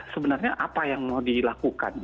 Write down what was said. sebenarnya apa yang mau dilakukan